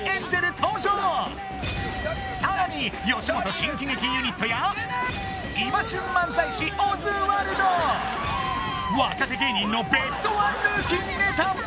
さらに吉本新喜劇ユニットや今旬漫才師オズワルド若手芸人のベストワンルーキーネタも